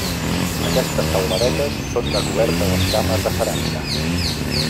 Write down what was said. Aquestes teuladetes són de coberta d'escames de ceràmica.